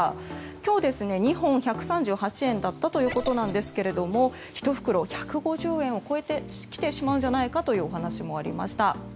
今日、２本１３８円だったということですが１袋１５０円を超えてきてしまうんじゃないかというお話もありました。